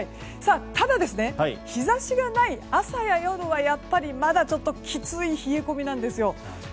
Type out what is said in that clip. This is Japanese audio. ただ、日差しがない朝や夜はやっぱり、まだちょっときつい冷え込みなんですよ。